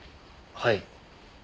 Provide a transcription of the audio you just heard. はい。